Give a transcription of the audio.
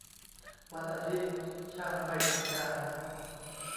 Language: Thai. วันอาทิตย์ช่างไม่ทำงาน